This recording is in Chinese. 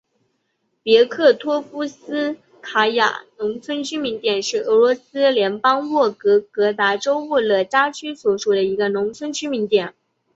别克托夫斯卡亚农村居民点是俄罗斯联邦沃洛格达州沃热加区所属的一个农村居民点。